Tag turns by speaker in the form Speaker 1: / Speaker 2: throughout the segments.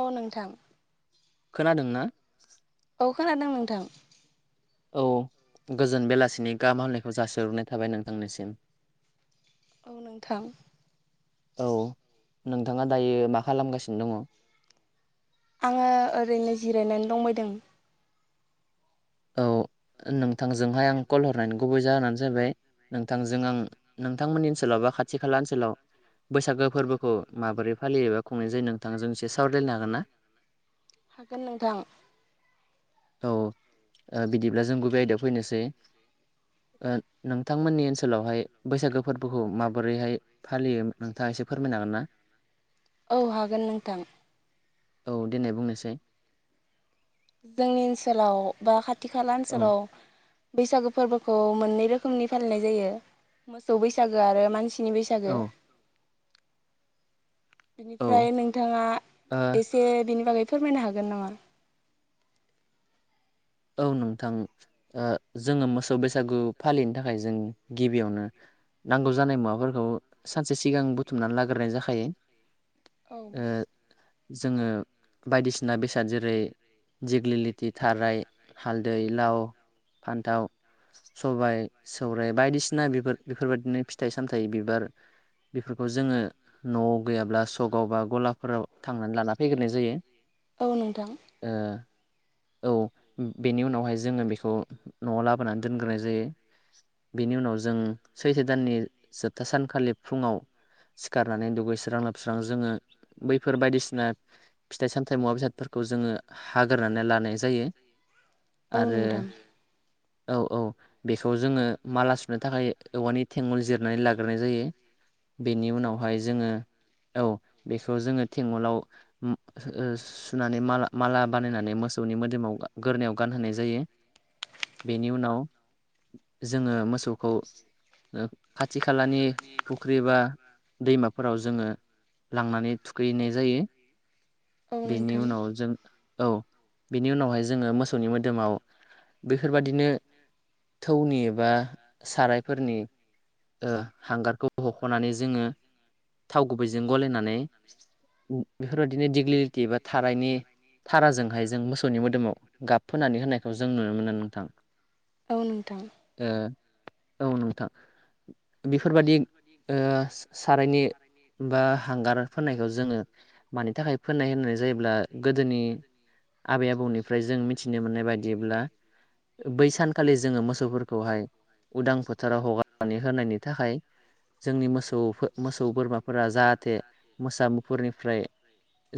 Speaker 1: औ नोंथां।
Speaker 2: खोनादों ना?
Speaker 1: औ खोनादों नोंथां।
Speaker 2: औ गोजोन बेलासिनि गाम हनायखौ जासोह्रनाय थाबाय नोंथांनिसिम
Speaker 1: औ नोंथां।
Speaker 2: औ नोंथाङा दायो मा खालामगासिनो दङ'
Speaker 1: आङो ओरैनो जिरायनानै दंबायदों
Speaker 2: औ। नोंथांजोंहाय आं कल हरनायनि गुबै जाहोनानो जाहैाय नोंथांजों आं नोंथांमोननि ओनसोलाव बा खाथि खाला ओनसोलाव बैसागो। फोरबोखौ माबोरै फालियोबा खुंनाय जायो नोंथांजों एसे सावरायलायनो हागोन ना
Speaker 1: हागोन नोंथां।
Speaker 2: आ बिदिब्ला जों गुबै आयदायाव फैनोसै। ओ नोंथांमोननि ओनसोलावहाय बैसागो फोरबोखौ माबोरैहाय फालियो नोंथाङा एसे। एसे फोरमायनो हागोन ना?
Speaker 1: औ हागोन नोंथां।
Speaker 2: औ देनाय बुंनायसाय।
Speaker 1: जोंनि ओनसोलाव बा खाथि खाला
Speaker 2: औ
Speaker 1: ओनसोलाव बैसागो फोरबोखौ मोननै रोखोमनि फालिनाय जायो, मोसौ बैसागो आरो मानसि नि बैसागो।
Speaker 2: औ औ
Speaker 1: बिनिफ्राय नोंथाङा
Speaker 2: ओ
Speaker 1: एसे बिनि बागै फोरमायनो हागोन नामा?
Speaker 2: औ नोंथां ओ जोङो मोसौ बैसागु फालिनो थाखाय जों गिबियावनो नांगौ जानाय मुवाफोरखौ सानसे सिगां बुथुमनानै लाग्रोनाय जाखायो।
Speaker 1: औ।
Speaker 2: ओ जोङो बायदिसिना बेसाद जेरै दिग्लिलिथि, थाराय हालदै, लाव, फान्थाव सबायाइ सौराइ बायदिसिना बिफोर बेफोरबायदिनो फिथाइ सामथाइ बिबार बिफोरखौ जोङो न'आव गैयाब्ला अगावबा गलाफोराव थांनानै लाना फैग्रोनाय जायो
Speaker 1: औ नोंथां
Speaker 2: ओ औ बेनि उनावहाय जोङो बेखौ न'आव लाबोनानै दोनग्रोनाय जायो। बेनि उनाव जों सैथो दाननि जोबथा सानखालि फुङाव सिखारनानै दुगैस्रां लाोबस्रां जोङो बैफोर बायदिसिना फिथाइ सामथाइ मुवा बेसादफोरखौ जों ओ हाग्रोनानै लानाय जायो।
Speaker 1: औ
Speaker 2: आरो
Speaker 1: नोंथां
Speaker 2: औ औ बेखौ जोङो माला सुनो थाखाय औवानि थेंगल जिरनानै लाग्रोनाय जायो। बेनि
Speaker 1: औ
Speaker 2: उनावहाय जोङो औ। बेखौ जोङो थेंगलाव ओ ओम सुनानै मा-माला बानायनानै मोसौनि मोदोमाव गोरनायाव गानहोनाय जायो। बेनि उनाव जोङो मोसौखौ ओ खाथि खालानि फुख्रि बा दैमाफोराव जोङो लांनानै थुखैैहैनाय जायो।
Speaker 1: औ
Speaker 2: बेनि
Speaker 1: नोंथां
Speaker 2: उनाव जों औ बेनि उनावहाय जोङो मोसौनि मोदोमाव बेफोरबादिनो थौनि एबा सारायफोरनि ओ हांगारखौ हख'नानै जोङो थाव गुबैजों गलायनानै उ बेफोरबायदिनो दिग्लिलिटि बा थाराइनि थाराजोंहाय जों मोसौनि मोदोमाव गाब फोननानै होनायखौ जों नुनो मोनो नोंथां।
Speaker 1: औ नोंथां
Speaker 2: ओ औ नोंथां बेफोरबादि ओ सारायनि बा हांगार फोननायखौ जोङो मानि थाखाय फोननाय होन नाय जायोब्ला गोदोनि आबै आबौनिफ्राय जों मिथिनो मोननाय बायदिब्ला बै सानखालि जोङो मोसौफोरखौहाय उदां फोथाराव हगारनानै होनायनि थाखाय जोंनि मोसौफो मोसौ बोरमाफोरा जाहाथे मोसा मुफुरनिफ्राय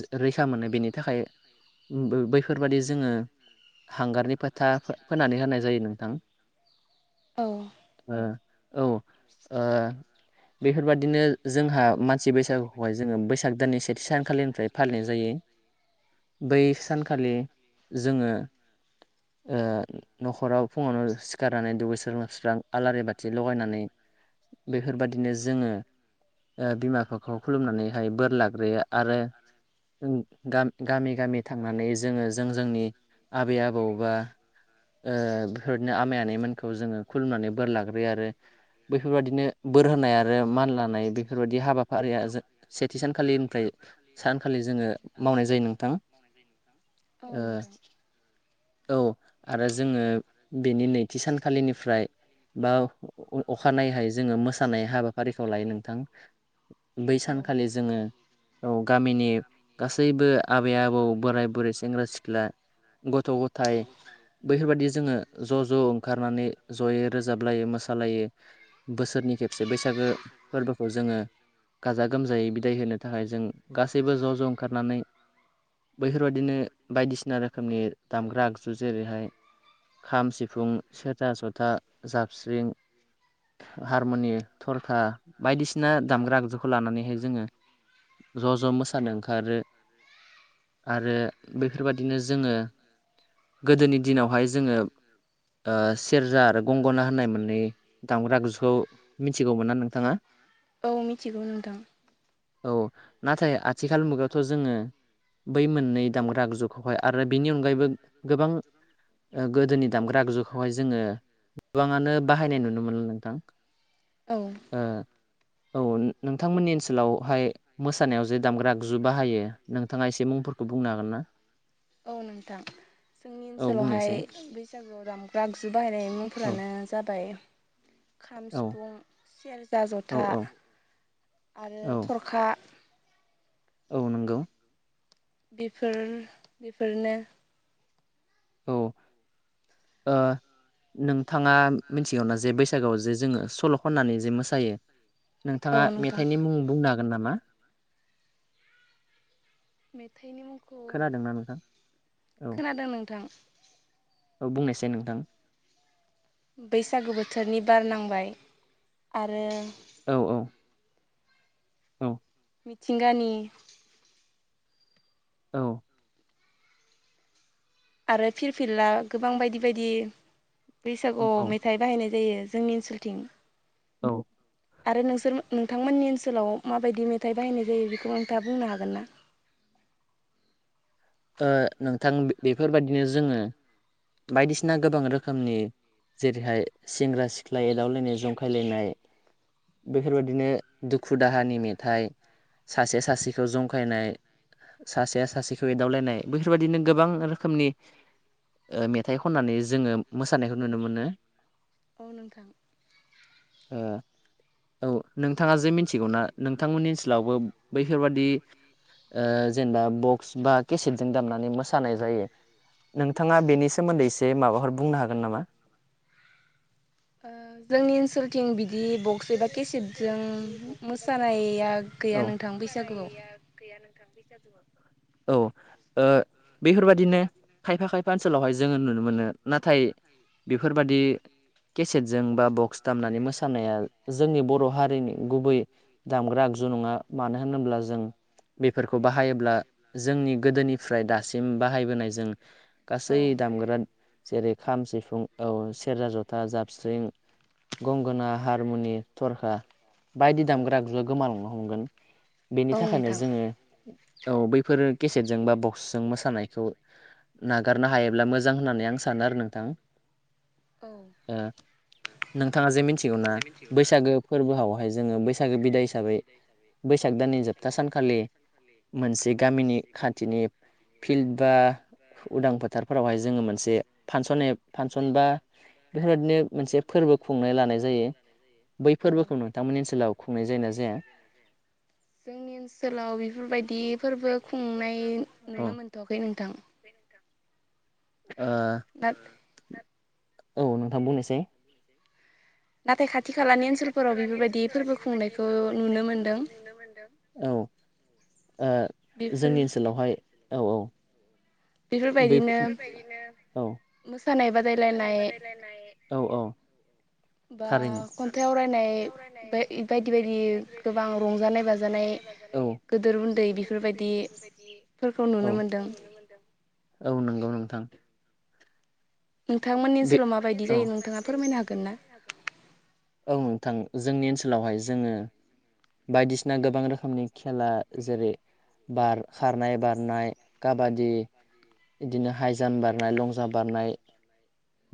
Speaker 2: जो रैखा मोनो बेनि थाखाय बै-बैफोरबादि जोङो हांगारनि फोथा फो-फोननानै होनाय जायो नोंथां।
Speaker 1: औ
Speaker 2: ओ औ ओ बेफोरबादिनो जोंहा मानसि बैसागुखौहाय जोङो बैसाग दाननि सेथि सानखालिनिफ्राय फालिनाय जायो। बै सानखालि जोङो ओ न'खराव फुङावनो सिखारनानै दुगैस्रां लोबस्रां आलारि बाथि लगायनानै बेफोरबादिनो जो ओ बिमा बिफाखौ खुलुमनानैहाय बोर लाग्रोयो आरो उ गा-गामि गामि थांनानै जोङो जों जोंनि आबै आबौ बा ओ बेफोरदिनो आमाय आनैमोनखौ जोङो खुलुमनानै बोर लाग्रोयो आरो बैफोरबादिनो बोर होनाय आर रो मान लानाय बेफोरबादि हाबाफारिया जो सेथि सानखालिनिफ्राय सानखालि जोङो मो मावनाय जायो नोंथां।
Speaker 1: औ
Speaker 2: ओस
Speaker 1: नोंथां
Speaker 2: औ आरो जोङो बेनि नैथि सानखालिनि फ्राय बा अ अ अ अ अखानायहाय जोङो मोसानाय हाबाफारिखौ लायो नोंथां। बै
Speaker 1: औ
Speaker 2: सानखालि जोङो औ गामिनि गासैबो आबै आबौ बोराय बुरैस ओ सिख्ला गथ' गथाय बैफोरबादि जोङो ज' ज' ओंखारनानै जयै रोजाबलायो मोसालायो बोसोरनि खेबसे बैसागो फोरबोखौ जोङो गाजा गोमजायै बिदाय होनो थाखाय जों गासैबो ज' ज' ओंखारनानै बैफोरबादिनो सिना रोखोमनि दामग्रा आगजु जेरैहाय खाम, सिफुं, सेरजा, जथ बा जाबस्रिं हा हारमुनि थरखा बायदिसिना दामग्रा आगजुखौ लानानैहाय जोङो ज' ज' मोसानो ओंखारो आरो बेफोरबादिनो जोङो गोदोनि दिनावहाय जोङो ओ सेरजा आरो गंगना होननाय मोन्नै दामग्रा आगजुखौ मिथिगौमोना नोंथाङा?
Speaker 1: औ मिथिगौ नोंथां।
Speaker 2: औ नाथाय आथिखाल मुगायावथ' जोङो बै मोननै दामग्रा आगजुखौहाय आरो बिनि अनगायैबो गोबां ओ गोदोनि दामग्रा आगजुखौहाय जोङो गोबाङानो बाहायनाय नुनो मोनो नोंथां।
Speaker 1: औ
Speaker 2: ओ औ नो नोंथांमोननि ओनसोलावहाय मोसानायाव जे दामग्रा आगजु बाहायो नोंथाङा एसे मुंफोरखौ बुंनो हागोन ना?
Speaker 1: औ नोंथां। जोंनि
Speaker 2: औ
Speaker 1: ओनसोलावहाय
Speaker 2: बुंनायसाय
Speaker 1: बैसागुआव दामग्रा आगजु बाहायनाय
Speaker 2: औ
Speaker 1: मुंफोरानो जाबाय खाम,
Speaker 2: औ
Speaker 1: सिफुं, सेरजा,
Speaker 2: औ
Speaker 1: जथा
Speaker 2: औ
Speaker 1: आरो
Speaker 2: औ
Speaker 1: थरखा
Speaker 2: औ नंगौ।
Speaker 1: बेफोर बेफोरनो
Speaker 2: औ ओ नोंथाङा मिन्थिगौना जे बैसागोआव जे जोङो सल' खननानै जे मोसायो
Speaker 1: औ
Speaker 2: नोंथाङा
Speaker 1: नोंथां
Speaker 2: मेथाइनि मुं बुंनो हागोन नामा?
Speaker 1: मेथाइनि मुंखौ
Speaker 2: खोनादोंना नोंथां औ
Speaker 1: खोनादों ना नोंथाङा? खोनादों नोंथां।
Speaker 2: औ बुंनायसाय नोंथां
Speaker 1: बैसागु बोथोरनि बार नांबाय आरो
Speaker 2: औ औ औ
Speaker 1: मिथिंगानि
Speaker 2: औ
Speaker 1: आरो फिरफिला गोबां बायदि बायदि
Speaker 2: औ
Speaker 1: बैसागुआव मेथाइ बाहायनाय जायो। जोंनि ओनसोलथिं
Speaker 2: औ
Speaker 1: आरो नोंसोर नोंथांमोननि ओनसोलाव माबायदि मेथाइ बाहायनाय जायो बेखौ नोंथाङा बुंनो हागोन ना?
Speaker 2: [inaudible] ओ नोंथां बेफोरबायदिनो जोङो बायदिसिना गोबां रोखोमनि जेरैहाय सेंग्रा सिख्ला एदावलायनाय जंखायलायनाय बेफोरबादिनो दुखु दाहानि मेथाइ सासेया सासेखौ जंखायनाय सासेया सासेखौ एदावलायनाय बेफोरबायदिनों गोबां रोखोमनि ओ मेथाइ खननानै जोङो मोसानायखौ नुनो मोनो।
Speaker 1: औ नोंथां।
Speaker 2: ओ औ नों नोंथाङा जे मिथिगौना नोंथांमोननि ओनसोलावबो बैफोरबादि जेनेबा बक्स बा केसेटजों दामनानै मोसानाय जायो नोंथाङा बेनि सोमोन्दै एसे माबाफोर बुंनो हागोन नामा?
Speaker 1: जोंनि ओनसोलथिं बिदि बक्स एबा केसेटजों मोसानाया गैया
Speaker 2: औ
Speaker 1: नोंथां बैसागुआव।
Speaker 2: औ बेफोरबादिनो खायफा खायफा ओनसोलावहाय जोङो नुनो मोनो नाथाय बेफोरबादि केसेटजों बा बक्स दामनानै मोसानाया जोंनि बर' हारिनि गुबै दामग्रा आगजु नङा मानो होनोब्ला जों बेफोरखौ बाहायोब्ला जोंनि गोदोनिफ्राय दासिम बाहायबोनाय जों
Speaker 1: औ
Speaker 2: गासै दाम ग्रा जेरै खाम सिफुं औ सेरजा जथा जाबस्रिं गंगोना हार थरखा बायदि दामग्रा आगजुआ गोमालांनो हमगोन बेनि
Speaker 1: औ
Speaker 2: थाखायनो
Speaker 1: नोंथां
Speaker 2: जोङो औ बैफोर केसेटजों बा बक्सजों मोसानायखौ नागारनो हायोब्ला मोजां होननानै आं सानो आरो नोंथां।
Speaker 1: औ।
Speaker 2: ओ नोंथाङा जे मिथिगौ ना बैसागो फोरबोआवहाय जोङो बैसागो बिदाय हिसाबै बैसागो दाननि जोबथा सानखालि मोनसे गामिनि खाथिनि फिल्ड बा उदां फोथारफोरावहाय जोङो मोनसे फांसन फांसन बा बेफोरबायाददिनो मोनसे फोरबो खुंनो लानाय जायो बै
Speaker 1: औ
Speaker 2: फोरबोखौ नोंथांमोननि ओनसोलाव खुंनाय जायोना जाया?
Speaker 1: जोंनि ओनसोलाव बेफोरबायदि फोरबो खुंनाय
Speaker 2: औ
Speaker 1: नुनो मोनथ'वाखै नोंथां। नाथाय
Speaker 2: ओ नोंथां बुंनायसाय।
Speaker 1: नाथाय खा
Speaker 2: नाथाय खाथि खालानि ओनसोलफोराव बेफोरबायदि फोरबो
Speaker 1: नुनो
Speaker 2: खुंनायखौ
Speaker 1: मोनदों
Speaker 2: नुनो मोनदों औ
Speaker 1: बेफोर
Speaker 2: जोंनि ओनसोलावहाय औ औ बै
Speaker 1: बेफोरबायदिनो
Speaker 2: औ औ
Speaker 1: मोसानाय बादायलायनाय
Speaker 2: औ
Speaker 1: बा
Speaker 2: थारैनो
Speaker 1: खन्थाय आवराय नाय बायदि बायदि गोबां रंजानाय बाजानाय गेदोर उन्दै बि बेफोरबायदिफोरखौ नुनो मोनदों।
Speaker 2: औ नंगौ नोंथां।
Speaker 1: नोंथांमोननि
Speaker 2: बे
Speaker 1: ओनसोलाव माबायदि
Speaker 2: औ
Speaker 1: जायो नोंथाङा फोरमायनो हागोन ना?
Speaker 2: औ नोंथां। जोंनि ओनसोलावहाय जोङो बायदिसिना गोबां रोखोमनि खेला जेरै बार खारनाय बारनाय काबादि बिदिनो हाइ जाम्प बारनाय लं जाम्प बारनाय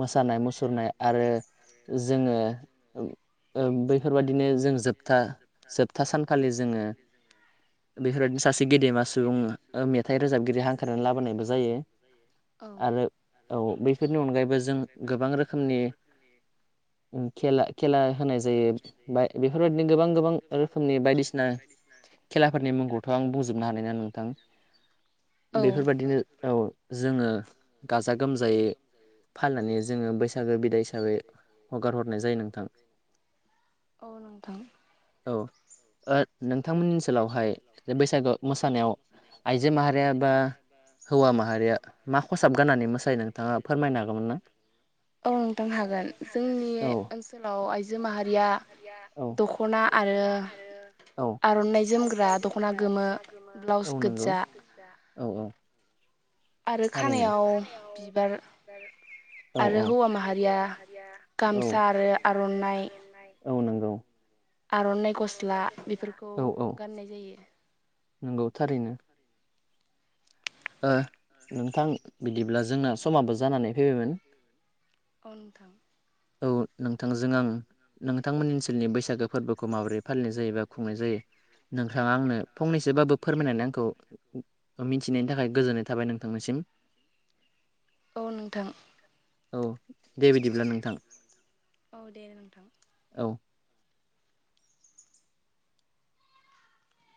Speaker 2: मोसानाय मुसुरनाय आरो जोङो बैफोरबादिनो जों जोबथा
Speaker 1: [unintelligible]
Speaker 2: जोबथा सानखालि जोङो
Speaker 1: [inaudible]
Speaker 2: बेफोरबायदिनो सासे गेदेमा सुबुं मेथाइ रोजाबगिरि हांख्रायनानै लाबोनायबो जायो आरो। औ बैफोरनि अनगायैबो जों गोबां रोखोमनि खेला खेला होनाय जायो बा बेफोरबायाददिनो गोबां गोबां रोखोमनि बायदिसिना खेलाफोरनि मुंखौथ' आं बुंजोबनो हानाय नंआ नोंथां।
Speaker 1: औ
Speaker 2: बेफोरबायदिनो औ जोङो गाजा गोमजायै नानै जोङो बैसागो बिदाय हिसाबै हगार हरनाय जायो नोंथां।
Speaker 1: औ नोंथां।
Speaker 2: औ ओ नोंथांमोननि ओनसोलावहाय जे बैसागु मोसानायाव आइजो माहारिया बा हौवा माहारिया मा खसाब गाननानै मोसायो नोंथाङा फोरमायनो हागोमो
Speaker 1: औ नोंथां हागोन जोंनि
Speaker 2: औ
Speaker 1: ओनसोलाव आइजो माहारिया
Speaker 2: औ
Speaker 1: दख'ना आरो
Speaker 2: औ
Speaker 1: आर'नाइ जोमग्रा दख'ना गोमो ब्ला ब्लावस
Speaker 2: औ नंगौ
Speaker 1: गोदजा
Speaker 2: [inaudible]
Speaker 1: आरो
Speaker 2: थारैनो
Speaker 1: खानायाव बिबार
Speaker 2: औ
Speaker 1: आरो
Speaker 2: औ
Speaker 1: हौवा माहारिया
Speaker 2: औ
Speaker 1: गामसा आरो आर'ननाइ
Speaker 2: आर'ननाइ गस्ला
Speaker 1: बेफोरखौ
Speaker 2: औ औ
Speaker 1: गाननाय जायो
Speaker 2: नोंगौ थारैनो ओह नोंथां बिदिब्ला जोंना समाबो जानानै फैबायमोन।
Speaker 1: अ नोंथां।
Speaker 2: औ नोंथांजों आं नोंथांमोननि ओनसोलनि बैसागो फोरबोखौ माबोरै फालिनाय जायो बा खुंनाय जायो नोंथाङा आंनो फंनैसो बाबो फोरमायनानै आंखौ मिथि नायनि थाखाय गोजोननाय थाबाय नोंथांनिसिम।
Speaker 1: औ नोंथां।
Speaker 2: औ दे बिदिब्ला नोंथां।
Speaker 1: औ दे नोंथां।
Speaker 2: औ